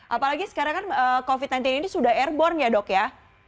apalagi sekarang kan covid sembilan belas ini sudah airborne ya dok ya